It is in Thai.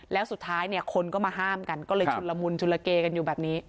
แล้วสุดท้ายเนี่ยคนก็มาห้ามกันก็เลยชุนละมุนชุลเกกันอยู่แบบนี้